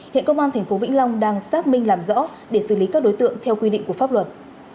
hiện công an tp vĩnh long đang xác minh làm rõ để xử lý các đối tượng theo quy định của pháp luật